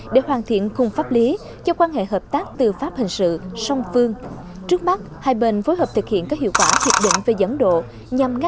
để hoàn thiện cùng pháp lý cho quan hệ hợp tác tư pháp hình sự song phương